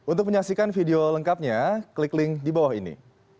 untuk menyaksikan video lengkapnya klik link di bawah ini